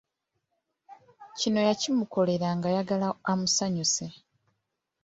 Kino yakimukolera nga ayagala amusanyuse.